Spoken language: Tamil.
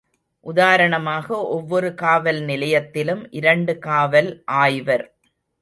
உதாரணமாக ஒவ்வொரு காவல் நிலையத்திலும் இரண்டு காவல் ஆய்வர்.